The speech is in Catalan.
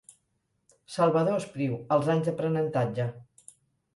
Salvador Espriu, els anys d'aprenentatge.